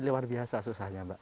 luar biasa susahnya mbak